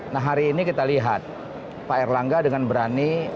nah hari ini kita lihat pak erlangga dengan berani